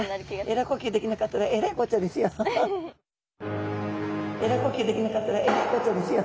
エラ呼吸できなかったらエラいこっちゃですよ。